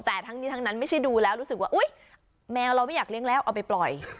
แต่ทั้งนี้ทั้งนั้นไม่ใช่ดูแล้วรู้สึกว่าอุ๊ยแมวเราไม่อยากเลี้ยงแล้วเอาไปปล่อย